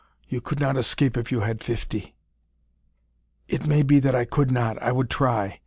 You could not escape if you had fifty." "It may be that I could not. I would try.